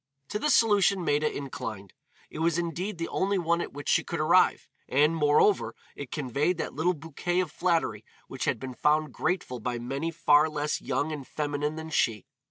To this solution Maida inclined. It was indeed the only one at which she could arrive, and, moreover, it conveyed that little bouquet of flattery which has been found grateful by many far less young and feminine than she.